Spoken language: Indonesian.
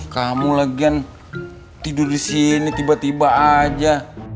kamu lagian tidur di sini tiba tiba aja